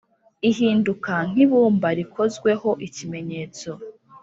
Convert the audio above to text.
ihinduka nk’ibumba rikozweho ikimenyetso,